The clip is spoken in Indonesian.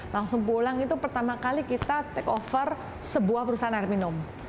langsung pulang itu pertama kali kita take over sebuah perusahaan air minum